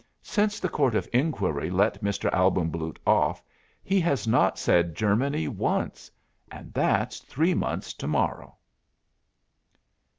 Since the Court of Inquiry let Mr. Albumblatt off, he has not said Germany once and that's three months to morrow."